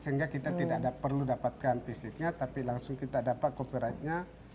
sehingga kita tidak perlu dapatkan fisiknya tapi langsung kita dapat copyrightnya